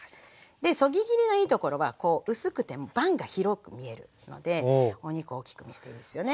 そぎ切りのいいところは薄くても盤が広く見えるのでお肉大きく見えていいですよね。